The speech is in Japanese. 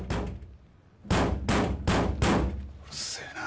うるせえな。